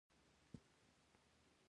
ډېر ژر زه پر یوې بلې مهمې خبرې وپوهېدم